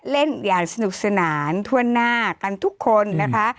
เล่นอย่างสนุกสนานทั่วหน้ากันทุกคนนะคะ